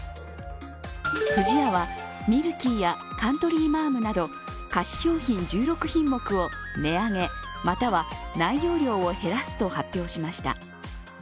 不二家は、ミルキーやカントリーマアムなど菓子商品１６品目を値上げ、または内容量を減らすと発表しました。